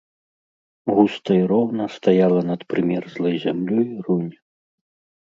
Густа і роўна стаяла над прымерзлай зямлёй рунь.